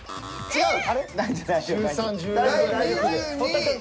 違う。